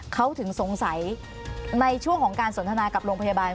เขาถึงสงสัยในช่วงของการสนทนากับโรงพยาบาล